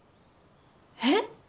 えっ！？